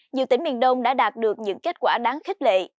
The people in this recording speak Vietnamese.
nhiều tỉnh miền đông đã đạt được những kết quả đáng khích lệ